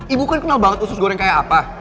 ibu kan kenal banget usus goreng kayak apa